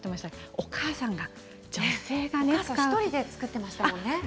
お母さん１人で作っていましたね。